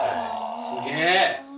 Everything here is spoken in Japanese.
すげえ。